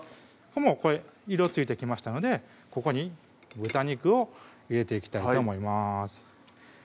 もうこれ色ついてきましたのでここに豚肉を入れていきたいと思います